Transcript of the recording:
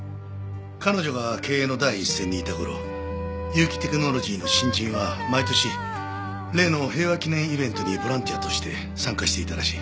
彼女が経営の第一線にいた頃結城テクノロジーの新人は毎年例の平和祈念イベントにボランティアとして参加していたらしい。